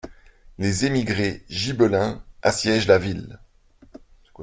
- Les émigrés gibelins assiègent la ville.